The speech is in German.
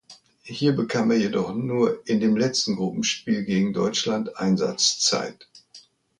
Hier bekam er jedoch nur in dem letzten Gruppenspiel gegen Deutschland Einsatzzeit.